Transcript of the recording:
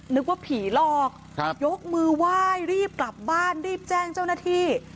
นึกว่าผีหลอกยกมือไหว้รีบกลับบ้านรีบแจ้งเจ้าหน้าที่